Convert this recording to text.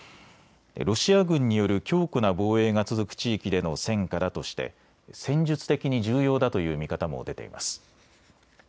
ロシア軍による強固な防衛が続く地域での戦果だとして戦術的に重要だという見方も出ています。